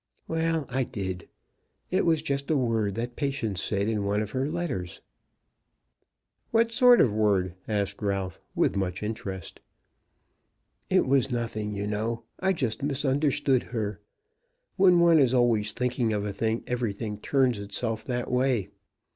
"Well; I did. It was just a word that Patience said in one of her letters." "What sort of word?" asked Ralph, with much interest. "It was nothing, you know. I just misunderstood her. When one is always thinking of a thing everything turns itself that way.